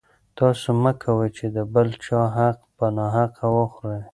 تاسو مه کوئ چې د بل چا حق په ناحقه وخورئ.